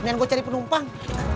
minta gue cari penumpang